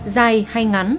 dài hay ngắn